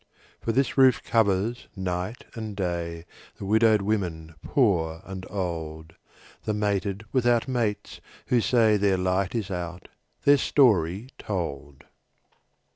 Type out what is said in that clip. For this roof covers, night and day, The widowed women poor and old, The mated without mates, who say Their light is out, their story told.